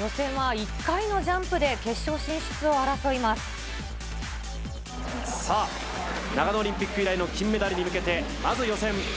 予選は１回のジャンプで決勝さあ、長野オリンピック以来の金メダルに向けて、まず予選。